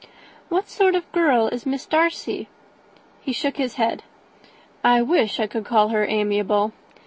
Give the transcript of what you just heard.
"What sort of a girl is Miss Darcy?" He shook his head. "I wish I could call her amiable.